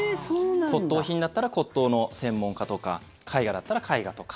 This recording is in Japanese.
骨とう品だったら骨とうの専門家とか絵画だったら絵画とか。